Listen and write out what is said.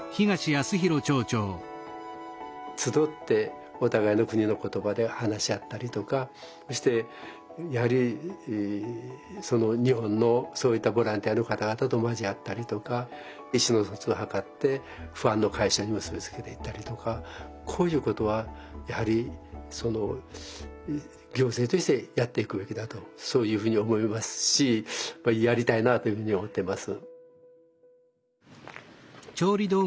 集ってお互いの国の言葉で話し合ったりとかそしてやはり日本のそういったボランティアの方々と交わったりとか意思の疎通を図って不安の解消に結び付けていったりとかこういうことはやはり行政としてやっていくべきだとそういうふうに思いますしやりたいなというふうに思ってます。